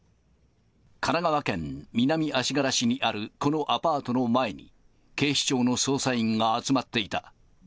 神奈川県南足柄市にあるこのアパートの前に、警視庁の捜査員が集まっていた。